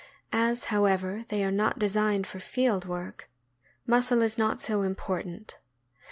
As, however, they are not designed for field work, muscle is not so important.